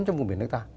trong vùng biển nước ta